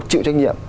chịu trách nhiệm